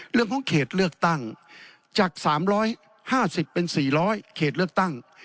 เรื่องของเขตเลือกตั้งจาก๓๕๐เป็น๔๐๐เขตเลือกตั้ง